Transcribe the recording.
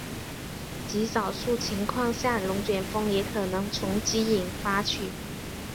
极少数情况下龙卷风也可能从积云发起。